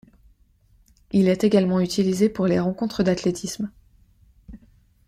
Il est également utilisé pour les rencontres d'athlétisme.